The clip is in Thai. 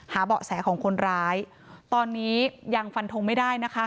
เบาะแสของคนร้ายตอนนี้ยังฟันทงไม่ได้นะคะ